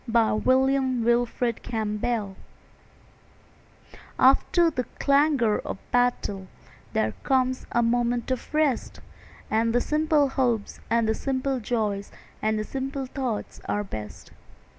BAYARD TAYLOR AFTERGLOW After the clangour of battle There comes a moment of rest, And the simple hopes and the simple joys And the simple thoughts are best.